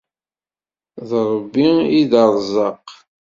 D Rebbi i d arezzaq.